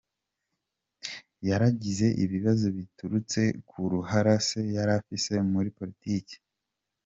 Yaragize ibibazo biturutse ku ruhara se yarafise muri politike.